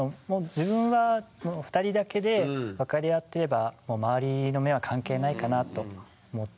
自分は２人だけで分かり合っていればもう周りの目は関係ないかなと思っていますね。